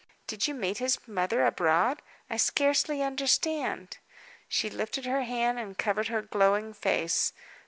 "Did you meet his mother abroad? I scarcely understand." She lifted her hand and covered her glowing face.